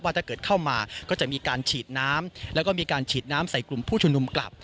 ถ้าเกิดเข้ามาก็จะมีการฉีดน้ำแล้วก็มีการฉีดน้ำใส่กลุ่มผู้ชุมนุมกลับ